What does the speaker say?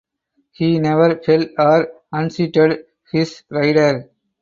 He never fell or unseated his rider.